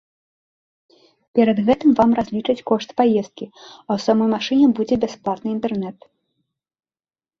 Перад гэтым вам разлічаць кошт паездкі, а ў самой машыне будзе бясплатны інтэрнэт.